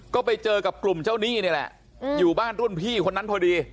ก็ไปเจอกับกลุ่มเจ้าหนี้นี่แหละอยู่บ้านรุ่นพี่คนนั้นพอดี